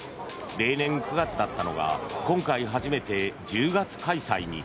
例年９月だったのが今回初めて１０月開催に。